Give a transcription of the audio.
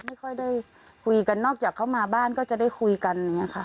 ไม่ค่อยได้คุยกันนอกจากเข้ามาบ้านก็จะได้คุยกัน